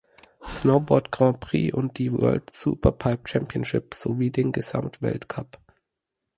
Snowboard Grandprix und die World Superpipe Championship, sowie den Gesamt-Weltcup.